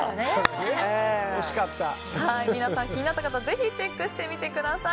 皆さん、気になった方はぜひチェックしてみてください。